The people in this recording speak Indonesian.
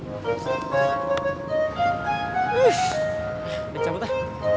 uff udah cabut lah